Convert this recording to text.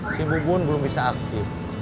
si bubun belum bisa aktif